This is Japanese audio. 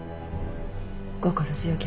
心強き